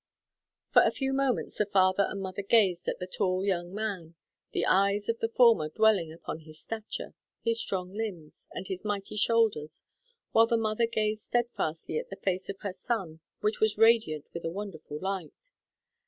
For a few moments the father and mother gazed at the tall young man, the eyes of the former dwelling upon his stature, his strong limbs, and his mighty shoulders, while the mother gazed steadfastly at the face of her son, which was radiant with a wonderful light.